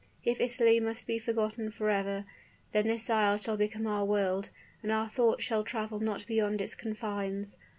If Italy must be forgotten forever, then this isle shall become our world, and our thoughts shall travel not beyond its confines.